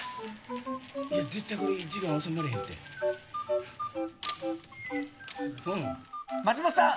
・絶対これ時間収まらへんって・松本さん